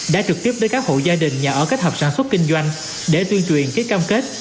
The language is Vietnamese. đã trực tiếp đến các hộ gia đình nhà ở kết hợp sản xuất kinh doanh để tuyên truyền ký cam kết